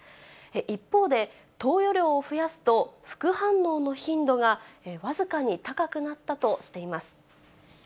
一方で、投与量を増やすと副反応の頻度が僅かに高くなったとしています。